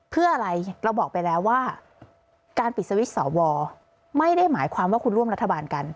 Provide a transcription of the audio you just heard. เพื่ออะไรเราบอกไปแล้วว่าการปิดสวิตช์สวไม่ได้หมายความว่าคุณร่วมรัฐบาลกัน